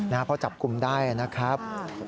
นะครับเพราะจับกลุ่มได้นะครับ